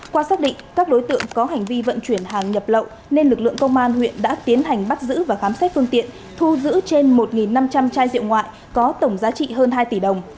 qua xác định các đối tượng có hành vi vận chuyển hàng nhập lậu nên lực lượng công an huyện đã tiến hành bắt giữ và khám xét phương tiện thu giữ trên một năm trăm linh chai rượu ngoại có tổng giá trị hơn hai tỷ đồng